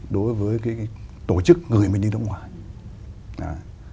đối với cái tổ chức gửi mình đi nước ngoài